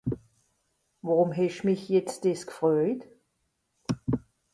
Worùm hesch mich jetz dìss gfröjt ?